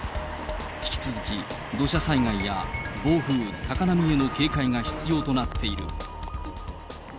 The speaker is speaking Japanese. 引き続き、土砂災害や暴風、高波への警戒が必要となっている。